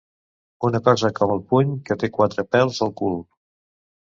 Una cosa com el puny que té quatre pèls al cul.